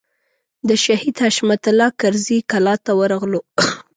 د شهید حشمت الله کرزي کلا ته ورغلو.